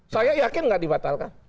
saya yakin enggak dibatalkan